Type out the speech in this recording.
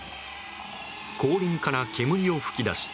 後輪から煙を噴き出し